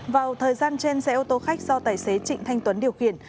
vào thời gian trên xe ô tô khách do tài xế trịnh thanh tuấn điều khiển